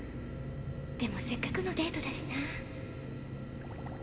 でもせっかくのデートだしな。